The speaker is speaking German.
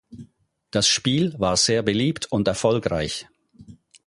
Das Spiel war sehr beliebt und erfolgreich.